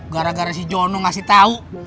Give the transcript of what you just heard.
gara gara si jono ngasih tahu